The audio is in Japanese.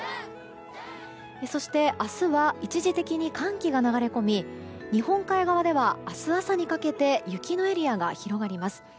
そして、明日は一時的に寒気が流れ込み日本海側では明日朝にかけて雪のエリアが広がります。